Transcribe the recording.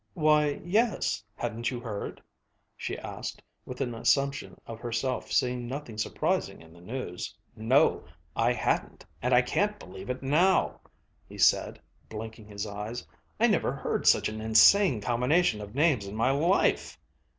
"Why, yes; hadn't you heard?" she asked, with an assumption of herself seeing nothing surprising in the news. "No, I hadn't, and I can't believe it now!" he said, blinking his eyes. "I never heard such an insane combination of names in my life."